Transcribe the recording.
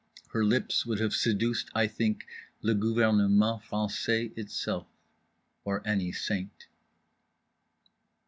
Her lips would have seduced, I think, le gouvernement français itself. Or any saint.